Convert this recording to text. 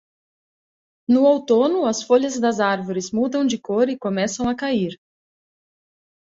No outono as folhas das árvores mudam de cor e começam a cair